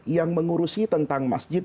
yang mengurusi tentang masjid